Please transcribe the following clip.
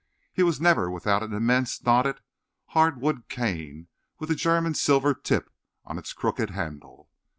He was never without an immense, knotted, hard wood cane with a German silver tip on its crooked handle.